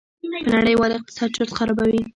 په نړېوال اقتصاد چورت خرابوي.